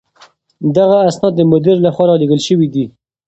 دغه اسناد د مدير له خوا رالېږل شوي دي.